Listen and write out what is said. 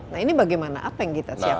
nah ini bagaimana apa yang kita siapkan